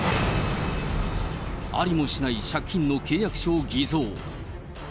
ありもしない借金の契約書を偽造。